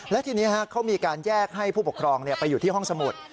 และทีนี้เขามีการแยกให้ผู้ปกครองไปอยู่ที่ห้องสมุด